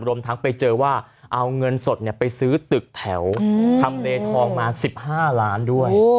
รวมทั้งไปเจอว่าเอาเงินสดไปซื้อตึกแถวทำเลทองมา๑๕ล้านด้วย